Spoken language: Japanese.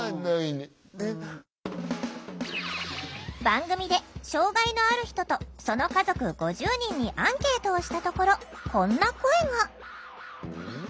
番組で障害のある人とその家族５０人にアンケートをしたところこんな声が。